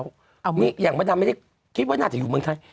เอาอย่างนี้อย่างวันนั้นไม่ได้คิดว่าน่าจะอยู่เมืองไทย